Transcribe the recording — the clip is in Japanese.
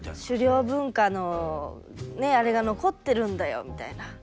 「狩猟文化のねあれが残ってるんだよ」みたいな。